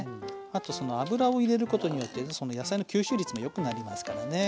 あと油を入れることによって野菜の吸収率もよくなりますからね